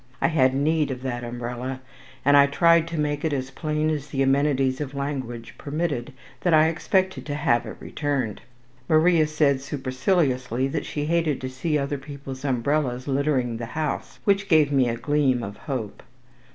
I had need of that umbrella, and I tried to make it as plain as the amenities of language permitted that I expected to have it returned. Maria said superciliously that she hated to see other people's umbrellas littering the house, which gave me a gleam of hope.